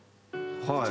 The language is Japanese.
はい。